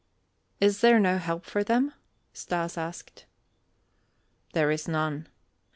"Is there no help for them?" Stas asked. "There is none.